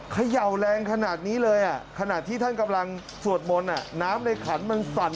เขย่าแรงขนาดนี้เลยขณะที่ท่านกำลังสวดมนต์น้ำในขันมันสั่น